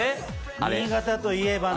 新潟といえばの。